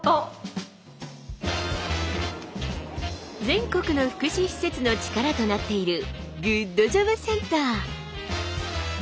全国の福祉施設の力となっているグッドジョブセンター。